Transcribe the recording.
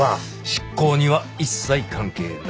執行には一切関係ない。